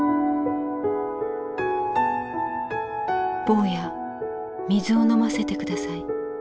「坊や水を飲ませてください。